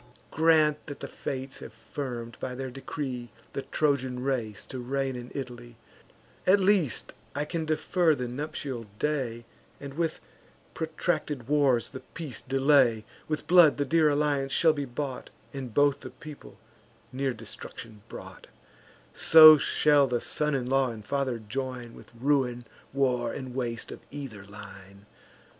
Grant that the Fates have firm'd, by their decree, The Trojan race to reign in Italy; At least I can defer the nuptial day, And with protracted wars the peace delay: With blood the dear alliance shall be bought, And both the people near destruction brought; So shall the son in law and father join, With ruin, war, and waste of either line.